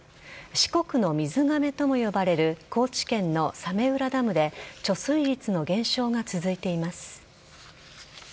四国の水がめとも呼ばれる高知県の早明浦ダムで貯水率の減少が続いています。